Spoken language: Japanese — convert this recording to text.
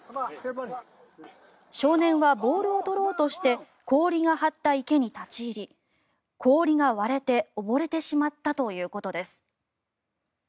少年はボールを取ろうとして氷が張った池に立ち入り氷が割れて溺れてしまったということです。